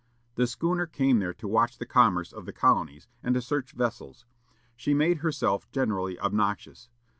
The schooner came there to watch the commerce of the colonies, and to search vessels. She made herself generally obnoxious.